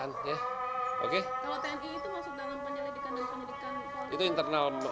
kalau tni itu masuk dalam penyelidikan dan penyelidikan